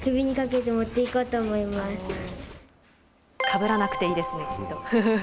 かぶらなくていいですね、きっと。